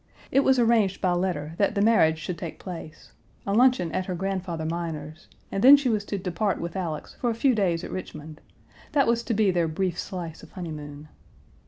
It was arranged by letter that the marriage should take place; a luncheon at her grandfather Minor's, and then she was to depart with Alex for a few days at Richmond. That was to be their brief slice of honeymoon.